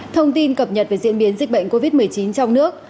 thông tin cập nhật về diễn biến dịch bệnh covid một mươi chín trong nước